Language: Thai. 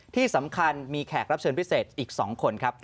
ที่สำคัญมีแขกรับเชิญพิเศษอีก๒คนครับ